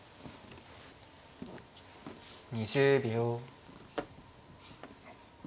２０秒。